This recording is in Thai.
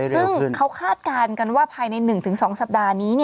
ซึ่งเขาคาดการณ์กันว่าภายใน๑๒สัปดาห์นี้